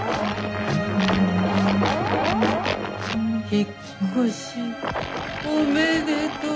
引っ越しおめでとう。